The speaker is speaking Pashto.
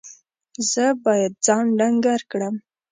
زه باید ځان ډنګر کړم.